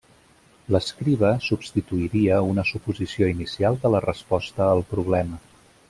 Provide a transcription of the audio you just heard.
L'escriba substituiria una suposició inicial de la resposta al problema.